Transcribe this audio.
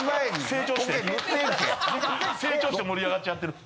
成長して盛り上がっちゃってる。